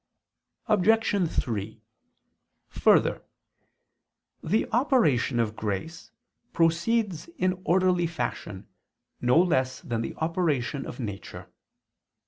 Obj. 3: Further, the operation of grace proceeds in orderly fashion no less than the operation of nature.